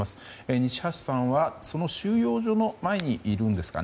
西橋さんは収容所の前にいるんですかね。